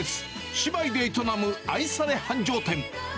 姉妹で営む愛され繁盛店。